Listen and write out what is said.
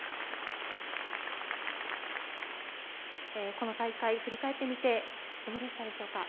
この大会振り返ってみてどうでしたでしょうか？